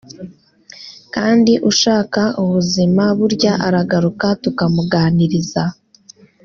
kandi ushaka ubuzima burya aragaruka tukamuganiriza